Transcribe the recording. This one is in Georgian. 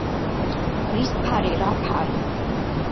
რის ფარი, რა ფარი